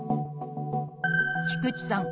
菊地さん